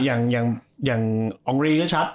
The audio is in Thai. อย่างอองรีก็ชัด